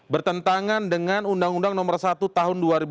bertentangan dengan undang undang nomor satu tahun dua ribu dua